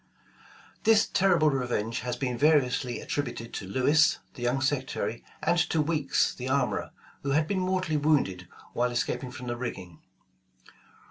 This terrible revenge has been variously attributed to Lewis, the young secretary, and to Weeks the armorer, who had been mortally wounded while escaping from the rigging.